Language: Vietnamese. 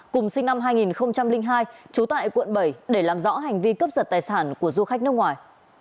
cùng sinh năm hai nghìn hai trú tại quận bảy để làm rõ hành vi cướp giật tài sản của du khách nước ngoài